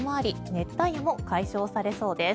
熱帯夜も解消されそうです。